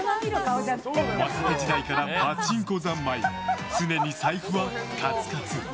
若手時代からパチンコ三昧常に財布はカツカツ。